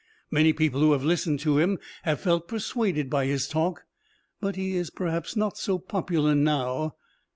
Many people who have listened to him have felt persuaded by his talk, but he is perhaps not so popular now."